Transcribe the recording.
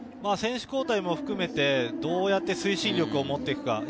選手交代も含めて、どうやって推進力を持っていくか。